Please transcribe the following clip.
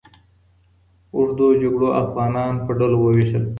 اوږدو جګړو افغانان په ډلو وویشل.